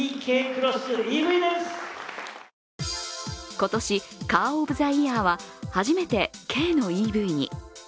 今年、カー・オブ・ザ・イヤーは初めて軽のＥＶに。